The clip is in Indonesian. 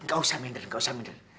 nggak usah mindir nggak usah mindir